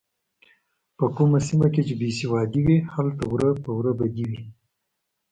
په کومه سیمه کې چې بې سوادي وي هلته وره په وره بدي وي.